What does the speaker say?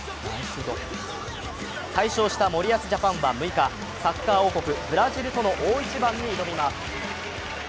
大勝した森保ジャパンは６日、サッカー王国ブラジルとの大一番に挑みます。